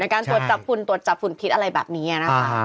การตรวจจับฝุ่นตรวจจับฝุ่นพิษอะไรแบบนี้นะคะ